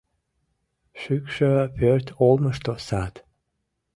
Шӱкшӧ пӧрт олмышто сад.